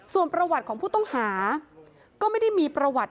ส่วนประวัติของผู้ต้องหาก็ไม่ได้มีประวัติ